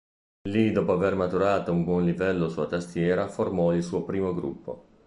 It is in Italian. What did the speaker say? Lì dopo aver maturato un buon livello sulla tastiera, formò il suo primo gruppo.